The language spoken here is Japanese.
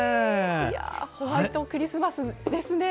ホワイトクリスマスですね。